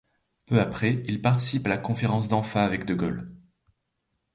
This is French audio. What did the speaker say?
Peu après, il participe à la conférence d'Anfa avec de Gaulle.